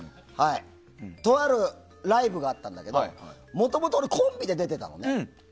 とあるライブがあったんだけどもともと俺コンビで出てたのね。